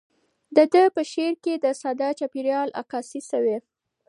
د ده په شعر کې د ساده چاپیریال عکاسي شوې.